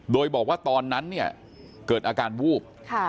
โดยบอกว่าตอนนั้นเนี่ยเกิดอาการวูบ